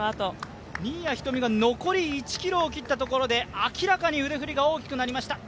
新谷仁美が残り１ｋｍを切ったところで明らかに腕振りが大きくなりました。